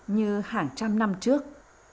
như hàng trăm năm trước